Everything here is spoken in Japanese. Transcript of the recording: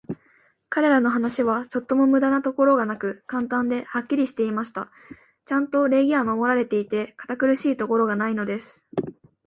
彼等の話は、ちょっとも無駄なところがなく、簡単で、はっきりしていました。ちゃんと礼儀は守られていて、堅苦しいところがないのです。